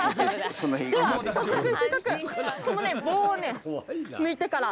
この棒を抜いてから。